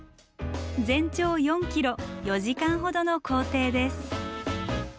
全長４ｋｍ４時間ほどの行程です。